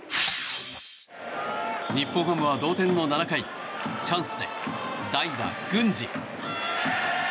日本ハムは同点の７回チャンスで郡司。